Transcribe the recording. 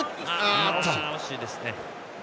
惜しいですね。